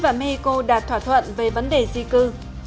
trong phần tin tức quốc tế mỹ và mexico đã thỏa thuận về vấn đề di cư